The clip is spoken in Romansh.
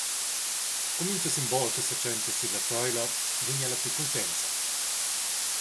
Cun mintga simbol che setschenta sin la teila, vegn ella pli cuntenza.